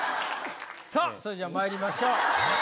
さあそれじゃあまいりましょう。